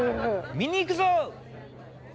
見に行くぞ！